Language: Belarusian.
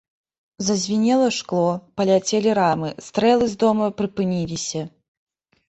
Зазвінела шкло, паляцелі рамы, стрэлы з дома прыпыніліся.